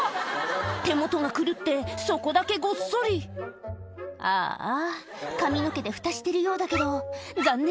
手元が狂ってそこだけごっそりああ髪の毛でフタしてるようだけど残念